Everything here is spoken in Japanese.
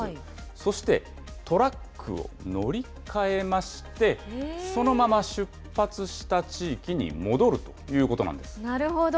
そして、トラックを乗り換えまして、そのまま出発した地域に戻るというこなるほど。